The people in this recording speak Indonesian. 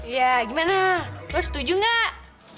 ya gimana lo setuju nggak